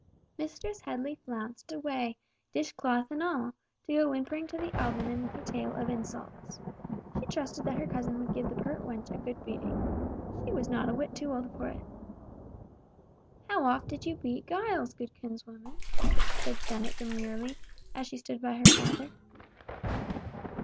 Mistress Headley flounced away, dish cloth and all, to go whimpering to the alderman with her tale of insults. She trusted that her cousin would give the pert wench a good beating. She was not a whit too old for it. "How oft did you beat Giles, good kinswoman?" said Dennet demurely, as she stood by her father.